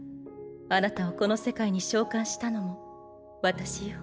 あなたをこの世界に召喚したのも私よ。